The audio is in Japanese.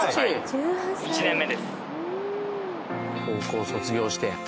高校を卒業して。